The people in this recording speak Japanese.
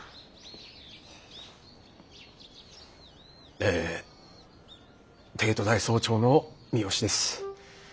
え帝都大総長の三芳です。